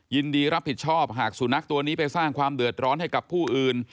ยินดีรับผิดชอบหากสุนัขตัวนี้ไปสร้างความเดือดร้อนให้กับผู้อื่น